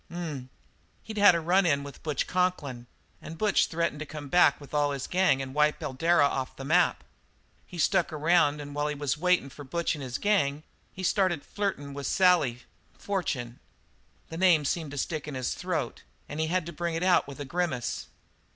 "H m! He'd had a run in with Butch Conklin, and Butch threatened to come back with all his gang and wipe Eldara off the map. He stuck around and while he was waitin' for Butch and his gang, he started flirtin' with Sally Fortune." The name seemed to stick in his throat and he had to bring it out with a grimace.